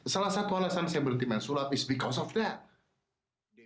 salah satu alasan saya berhenti main sulap is because of that